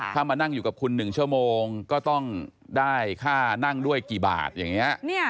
ถ้ามานั่งอยู่กับคุณ๑ชั่วโมงก็ต้องได้ค่านั่งด้วยกี่บาทอย่างนี้